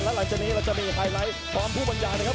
แล้วหลังจากนี้เราจะมีไฮไลท์พร้อมผู้บรรยายนะครับ